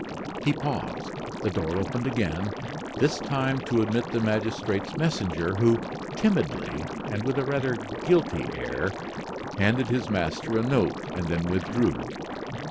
He paused; the door opened again, this time to admit the magistrate's messenger, who timidly, and with a rather guilty air, handed his master a note, and then withdrew.